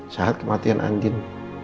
saat kematian andin